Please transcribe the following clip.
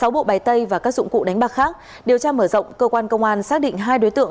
sáu bộ bài tay và các dụng cụ đánh bạc khác điều tra mở rộng cơ quan công an xác định hai đối tượng